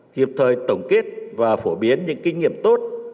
kịp thời tổng kết và phổ biến những kinh nghiệm tốt